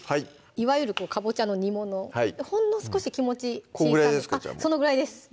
いわゆるこうかぼちゃの煮物ほんの少し気持ち小さめこんぐらいですか？